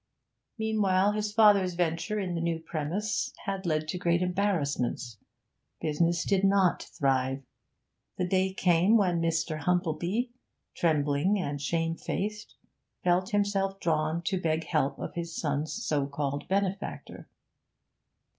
Meanwhile his father's venture in the new premises had led to great embarrassments; business did not thrive; the day came when Mr. Humplebee, trembling and shamefaced, felt himself drawn to beg help of his son's so called benefactor.